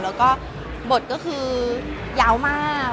แล้วก็บทก็คือยาวมาก